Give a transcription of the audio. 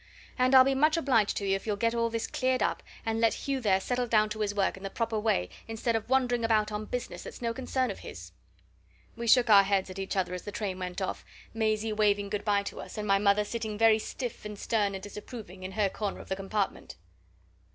And I'll be much obliged to you if you'll get all this cleared up, and let Hugh there settle down to his work in the proper way, instead of wandering about on business that's no concern of his." We shook our heads at each other as the train went off, Maisie waving good bye to us, and my mother sitting very stiff and stern and disapproving in her corner of the compartment.